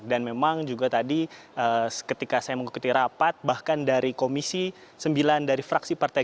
dan memang juga tadi ketika saya mengikuti rapat bahkan dari komisi sembilan dari fraksi partai